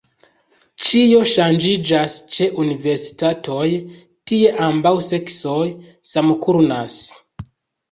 Ĉio ŝanĝiĝas ĉe universitatoj: tie ambaŭ seksoj samkursanas.